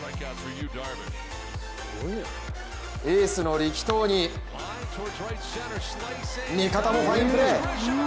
エースの力投に味方もファインプレー。